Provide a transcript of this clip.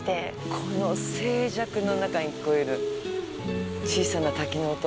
この静寂の中に聞こえる小さな滝の音。